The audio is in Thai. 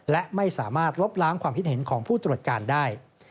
และไม่สามารถลบล้างความคิดเห็นของผู้ตรวจการได้